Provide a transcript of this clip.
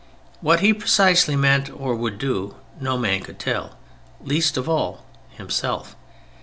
What he precisely meant or would do, no man could tell, least of all himself.